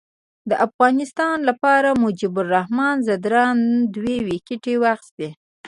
د افغانستان لپاره مجيب الرحمان ځدراڼ دوې ویکټي واخیستي.